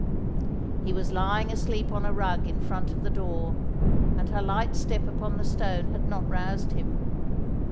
He was lying asleep on a rug in front of the door, and her light step upon the stone had not roused him.